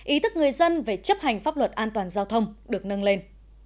ý thức người dân về chấp hành pháp luật an toàn giao thông được nâng lên